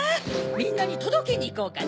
みんなにとどけにいこうかね？